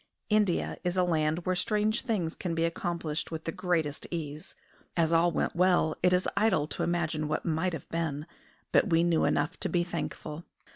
India is a land where strange things can be accomplished with the greatest ease. As all went well it is idle to imagine what might have been; but we knew enough to be thankful.